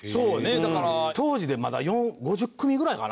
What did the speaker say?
だから当時でまだ５０組ぐらいかな？